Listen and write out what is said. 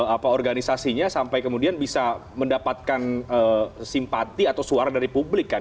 apa organisasinya sampai kemudian bisa mendapatkan simpati atau suara dari publik kan